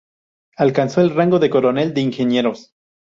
Alcanzó el rango de coronel de ingenieros.